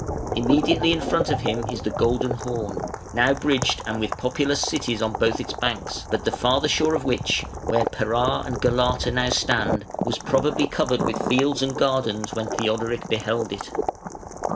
Immediately in front of him is the Golden Horn, now bridged and with populous cities on both its banks, but the farther shore of which, where Pera and Galata now stand, was probably covered with fields and gardens when Theodoric beheld it.